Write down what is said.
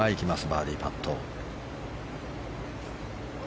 バーディーパット。